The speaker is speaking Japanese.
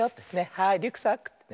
はいリュックサックってね。